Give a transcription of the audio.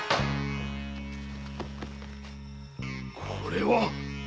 これは！